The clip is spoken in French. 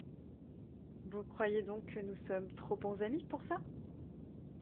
Vous croyez donc que nous sommes trop bons amis pour ça ?